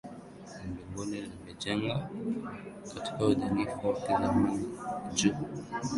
mbinguni limejengwa katika udhanifu wa kizamani juu